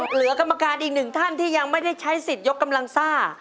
เหลือกรรมการอีกหนึ่งท่านที่ยังไม่ได้ใช้สิทธิ์ยกกำลังซ่า